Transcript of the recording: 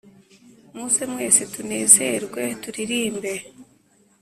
Muze mwese tunezerwe turirimbe